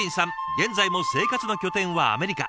現在も生活の拠点はアメリカ。